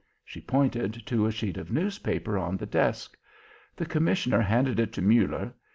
She pointed to a sheet of newspaper on the desk. The commissioner handed it to Muller.